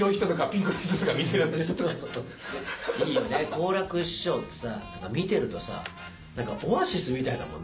好楽師匠ってさ見てるとさ何かオアシスみたいだもんね。